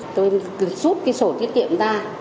tôi rút cái sổ tiết kiệm ra